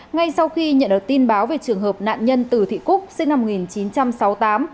ngay sau khi nhận được tin báo về trường hợp nạn nhân từ thị cúc sinh năm một nghìn chín trăm sáu mươi tám